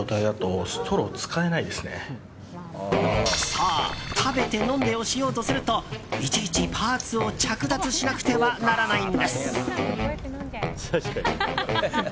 そう食べて飲んでをしようとするといちいち、パーツを着脱しなくてはならないんです。